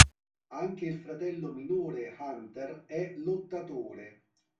Anche il fratello minore Hunter è lottatore.